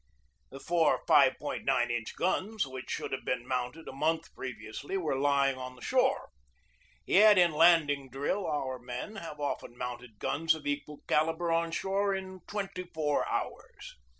1 The four 5.9 inch guns which should have been mounted a month previously were lying on the shore; yet in landing drill our men have often mounted guns of equal calibre on shore in twenty four hours.